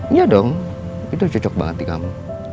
iya dong itu cocok banget di kamu